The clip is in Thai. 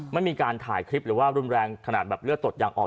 ไม่มีการถ่ายคลิปหรือว่ารุนแรงขนาดแบบเลือดตกยังออก